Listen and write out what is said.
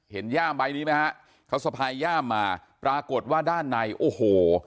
ย่ามใบนี้ไหมฮะเขาสะพายย่ามมาปรากฏว่าด้านในโอ้โห